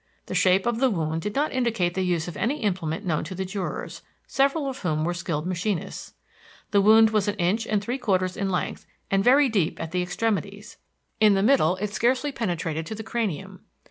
The shape of the wound did not indicate the use of any implement known to the jurors, several of whom were skilled machinists. The wound was an inch and three quarters in length and very deep at the extremities; in the middle it scarcely penetrated to the cranium.